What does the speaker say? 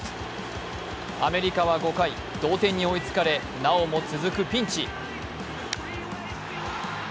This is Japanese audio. アメリカは５回、同点に追いつかれなおも続くピンチ。